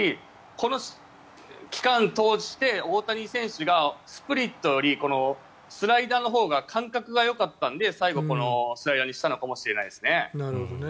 この期間を通して大谷選手がスプリットよりスライダーのほうが感覚がよかったので最後、スライダーにしたのかもしれないですね。